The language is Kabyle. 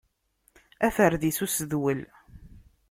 Aferdis n usedwel.